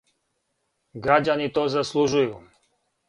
Грађани то заслужују.